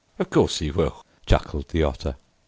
"Of course he will," chuckled the Otter.